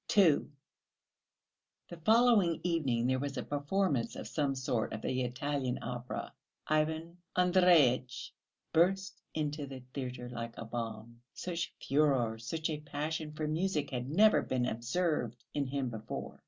II The following evening there was a performance of some sort at the Italian opera. Ivan Andreyitch burst into the theatre like a bomb. Such furore, such a passion for music had never been observed in him before.